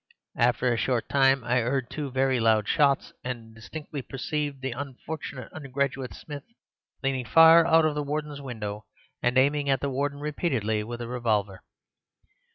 After a short time I heard two very loud shots, and distinctly perceived the unfortunate undergraduate Smith leaning far out of the Warden's window and aiming at the Warden repeatedly with a revolver.